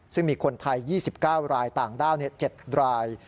ซึ่งมีคนไทย๒๙รายต่างด้าว๗ราย